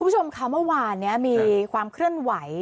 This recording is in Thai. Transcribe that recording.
คุณผู้ชมค่ะเมื่อวานนี้มีความเคลื่อนไหว